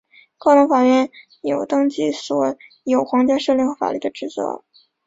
高等法院有登记所有皇家敕令和法律的职责。